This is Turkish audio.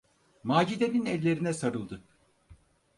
Macide’nin ellerine sarıldı.